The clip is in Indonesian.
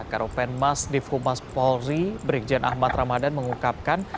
karupen mas nifhumas polri brikjen ahmad ramadhan mengungkapkan